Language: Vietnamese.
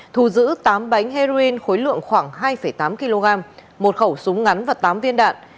thu giữ tám bánh heroin khối lượng khoảng hai tám kg một khẩu súng ngắn và tám viên đạn